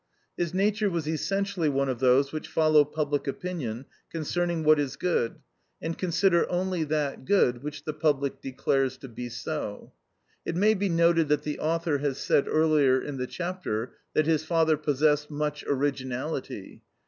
His nature was essentially one of those which follow public opinion concerning what is good, and consider only that good which the public declares to be so. [It may be noted that the author has said earlier in the chapter that his father possessed "much originality."